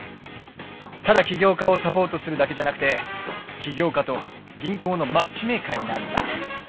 ただ起業家をサポートするだけじゃなくて起業家と銀行のマッチメーカーになるんだ。